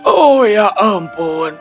oh ya ampun